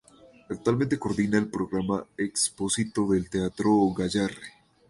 Actualmente coordina el programa expositivo del Teatro Gayarre.